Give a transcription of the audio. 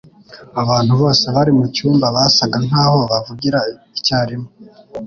Abantu bose bari mucyumba basaga nkaho bavugira icyarimwe.